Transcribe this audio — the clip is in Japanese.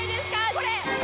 これ。